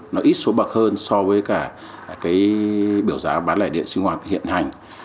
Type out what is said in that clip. nó ít số bậc hơn so với cả cái biểu giá bán lẻ điện sinh hoạt hiện hành